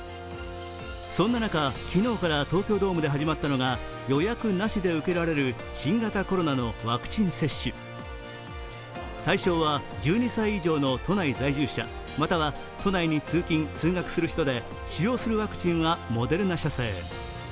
そんな中、昨日から東京ドームで始まったのが予約なしので受けられる新型コロナのワクチン接種、対象は１２歳以上の都内在住者、または都内に通勤・通学する人で使用するワクチンはモデルナ社製。